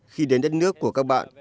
khi đến đất nước của các bạn